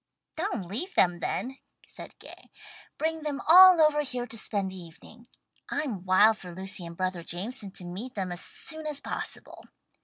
"Don't leave them then," said Gay. "Bring them all over here to spend the evening. I'm wild for Lucy and brother Jameson to meet them as soon as possible.